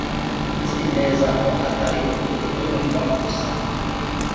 Nzi neza ko atari ukutumva gusa.